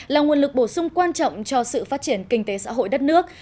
là nguồn lực bổ sung quan trọng cho sự phát triển kinh tế xã hội đất nước